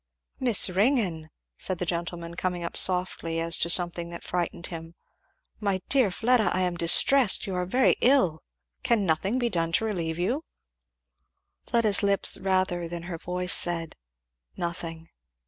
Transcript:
"Miss Ringgan!" said the gentleman, coming up softly as to something that frightened him, "my dear Miss Fleda! I am distressed! You are very ill can nothing be done to relieve you?" Fleda's lips rather than her voice said, "Nothing."